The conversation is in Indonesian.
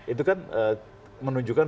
itu kan menunjukkan